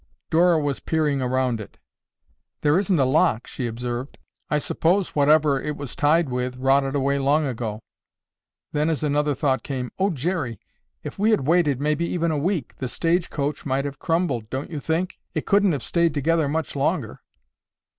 Dora was peering around it. "There isn't a lock," she observed. "I suppose whatever it was tied with rotted away long ago." Then, as another thought came, "Oh, Jerry, if we had waited, maybe even a week, the stage coach might have crumbled, don't you think? It couldn't have stayed together much longer."